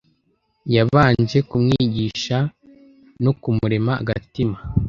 yabanje kumwigisha no kumurema agatima